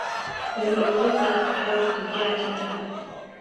Uni o’qib, baxti qaro qizga achinasan.